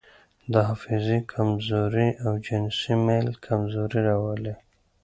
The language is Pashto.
د حافظې کمزوري او جنسي میل کمزوري راولي.